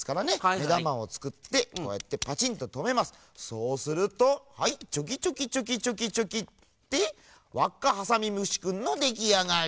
そうするとはいチョキチョキチョキチョキチョキでわっかハサミむしくんのできあがり。